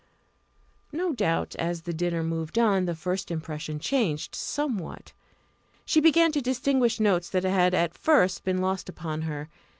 No doubt, as the dinner moved on, this first impression changed somewhat. She began to distinguish notes that had at first been lost upon her.